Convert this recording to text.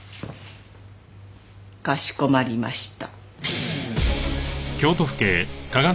かしこまりました。